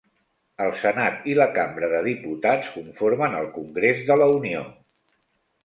El Senat i la Cambra de Diputats conformen el Congrés de la Unió.